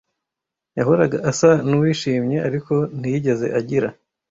Yahoraga asa nuwishimye, ariko ntiyigeze agira.